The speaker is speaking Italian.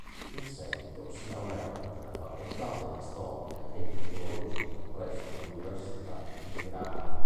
In seguito si laureò nella Facoltà della Storia e Filologia presso l'Università di Tirana.